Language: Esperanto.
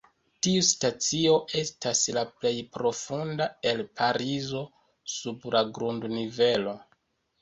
Tiu stacio estas la plej profunda el Parizo: sub la grund-nivelo.